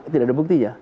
tidak ada buktinya